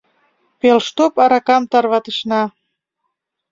Пелштоп аракам тарватышна.